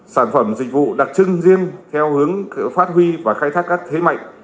sản phẩm dịch vụ đặc trưng riêng theo hướng phát huy và khai thác các thế mạnh